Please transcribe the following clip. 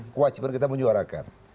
kewajiban kita menyuarakan